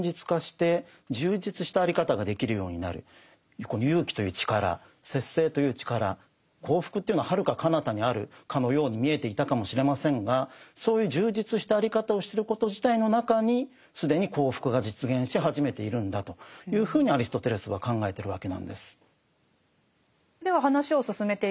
そうですね幸福というのははるかかなたにあるかのように見えていたかもしれませんがそういう充実したあり方をしてること自体の中に既に幸福が実現し始めているんだというふうにアリストテレスは考えてるわけなんです。